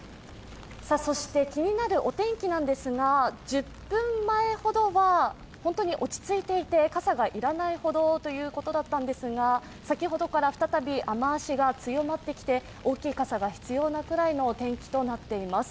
そして気になるお天気なんですが、１０分前ほどは本当に落ち着いていて、傘が要らないほどだったんですが先ほどから再び、雨足が強まってきて大きい傘が必要なくらいの天気となっています。